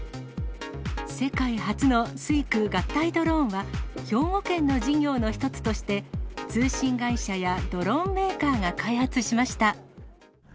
世界初の水空合体ドローンは、兵庫県の事業の一つとして、通信会社やドローンメーカーが開発しました。